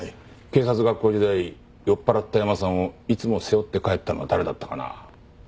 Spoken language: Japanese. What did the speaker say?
警察学校時代酔っ払ったヤマさんをいつも背負って帰ったのは誰だったかなぁ。